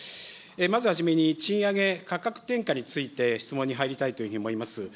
まずはじめに賃上げ、価格転嫁について、質問に入りたいと思います。